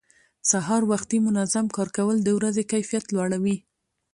سهار وختي منظم کار کول د ورځې کیفیت لوړوي